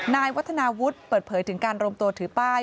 นายวัฒนาวุฒิเปิดเผยถึงการรวมตัวถือป้าย